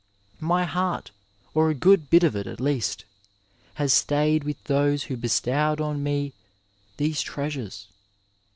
My heart, or a good bit of it at least, has stayed with those who bestowed on me these trea sures.